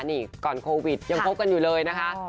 นี่ก่อนโควิดยังคบกันอยู่เลยนะคะ